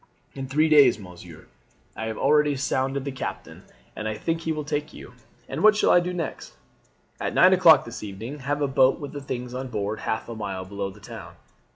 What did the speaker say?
"In three days, monsieur. I have already sounded the captain, and I think he will take you. And what shall I do next?" "At nine o'clock this evening have a boat with the things on board half a mile below the town.